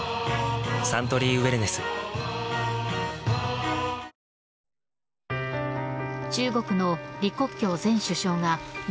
サントリーウエルネス・あっ！